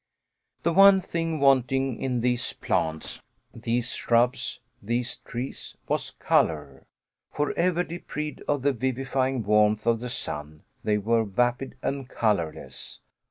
The one thing wanting in these plants, these shrubs, these trees was color! Forever deprived of the vivifying warmth of the sun, they were vapid and colorless.